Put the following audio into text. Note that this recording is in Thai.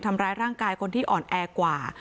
ทำร้ายร่างกายคนที่อ่อนแอกว่า